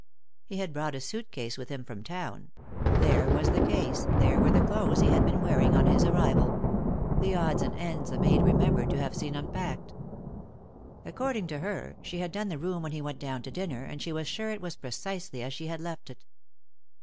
He had brought a suit case with him from town ; there was the case, there were the clothes he had been wearing on his arrival ; the odds and ends the maid remembered to have seen unpacked. According to her, she had done the room when he went down to dinner, and she was sure it was precisely as' she had left it.